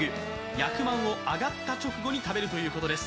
役満を上がった直後に食べるということです。